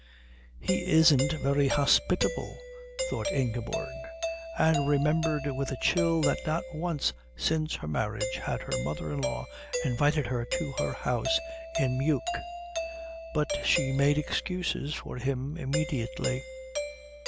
"He isn't very hospitable," thought Ingeborg; and remembered with a chill that not once since her marriage had her mother in law invited her to her house in Meuk. But she made excuses for him immediately.